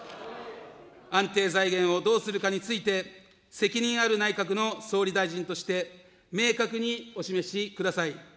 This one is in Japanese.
安定財源をどうするかについて、責任ある内閣の総理大臣として、明確にお示しください。